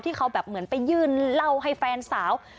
ที่เขาแบบเหมือนไปยื่นเล่าให้แฟนสาว